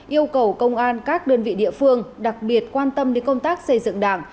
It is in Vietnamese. yêu cầu công an các đơn vị địa phương đặc biệt quan tâm đến công tác xây dựng đảng